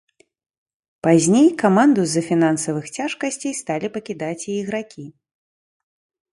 Пазней каманду з-за фінансавых цяжкасцей сталі пакідаць і ігракі.